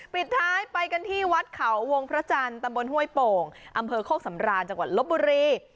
ปิดท้ายไปกันที่วัดเขาวงพระจันทร์ตำบลห้วยโป่งอำเภอโคกสำราญจังหวัดลบบุรี